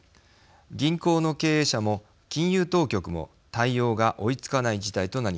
銀行の経営者も金融当局も対応が追いつかない事態となりました。